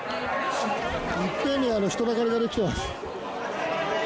いっぺんに人だかりが出来てます。